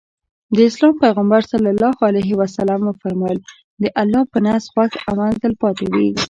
د اسلام پيغمبر ص وفرمايل د الله په نزد خوښ عمل تلپاتې وي.